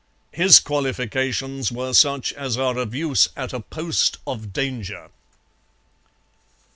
His qualifications were such as are of use at a post of danger.